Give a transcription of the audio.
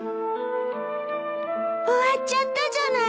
終わっちゃったじゃない。